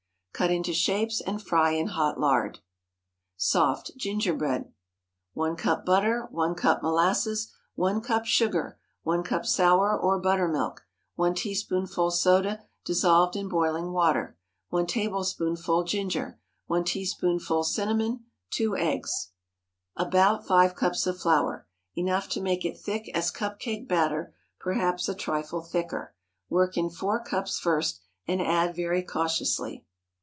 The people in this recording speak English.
Cut into shapes and fry in hot lard. SOFT GINGERBREAD. ✠ 1 cup butter. 1 cup molasses. 1 cup sugar. 1 cup sour or buttermilk. 1 teaspoonful soda dissolved in boiling water. 1 tablespoonful ginger. 1 teaspoonful cinnamon. 2 eggs. About five cups of flour—enough to make it thick as cup cake batter, perhaps a trifle thicker. Work in four cups first, and add very cautiously.